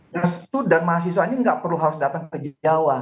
restu dan mahasiswa ini nggak perlu harus datang ke jawa